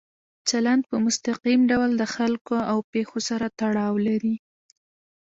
چلند په مستقیم ډول د خلکو او پېښو سره تړاو لري.